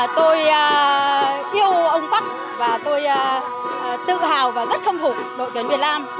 tôi yêu ông bắc và tôi tự hào và rất khâm phục đội tuyển việt nam